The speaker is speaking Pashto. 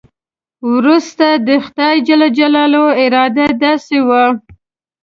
وروسته د خدای جل جلاله اراده داسې وه.